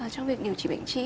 trong việc điều trị bệnh trí